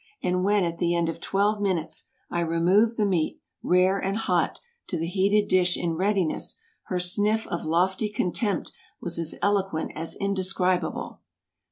And when, at the end of twelve minutes, I removed the meat, "rare and hot," to the heated dish in readiness, her sniff of lofty contempt was as eloquent as indescribable.